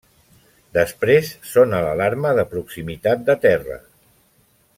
Després sona l'alarma de proximitat de terra.